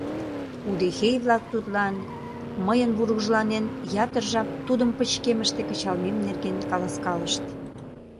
Удэхей-влак тудлан мыйын вургыжланен ятыр жап тудым пычкемыште кычалмем нерген каласкалышт.